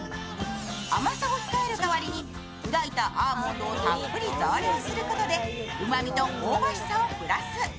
甘さを控える代わりに砕いたアーモンドをたっぷり増量することで、うまみと香ばしさをプラス。